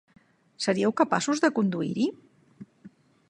Seríeu capaços de conduir-hi?